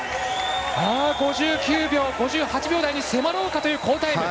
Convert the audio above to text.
５９秒５８秒台に迫ろうかという好タイム。